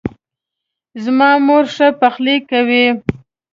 زما مور ښه پخلۍ کوي